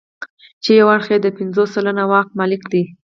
چې یو اړخ یې د پنځوس سلنه واک مالک دی.